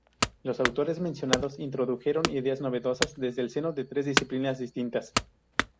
Los autores mencionados introdujeron ideas novedosas desde el seno de tres disciplinas distintas.